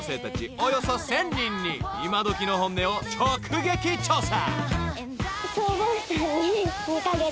およそ１，０００人に今どきの本音を直撃調査］